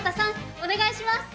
お願いします。